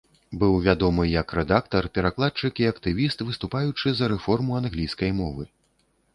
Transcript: Быў вядомы як рэдактар, перакладчык і актывіст, выступаючы за рэформу англійскай мовы.